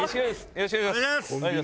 よろしくお願いします。